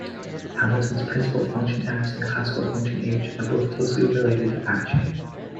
Hamilton's principal function "S" and classical function "H" are both closely related to action.